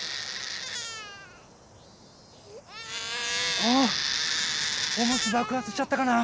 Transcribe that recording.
あっおむつ爆発しちゃったかな？